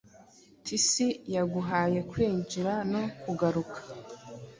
Tisi yaguhaye kwinjira No kugaruka